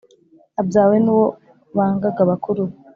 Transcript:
Abyawe n`uwo bangaga bakuru be